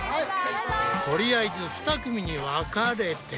とりあえず二組に分かれて。